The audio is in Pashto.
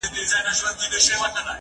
زه له سهاره بوټونه پاکوم؟